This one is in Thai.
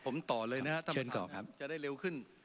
ครับผมต่อเลยนะครับจะได้เร็วขึ้น